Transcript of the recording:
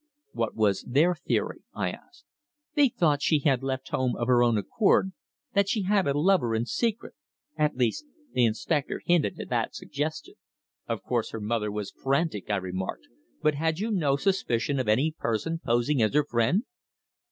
"What was their theory?" I asked. "They thought she had left home of her own accord that she had a lover in secret. At least, the inspector hinted at that suggestion." "Of course her mother was frantic," I remarked. "But had you no suspicion of any person posing as her friend?"